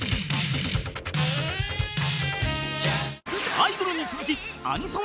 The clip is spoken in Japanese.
［アイドルに続きアニソン